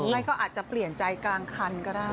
ไม่ก็อาจจะเปลี่ยนใจกลางคันก็ได้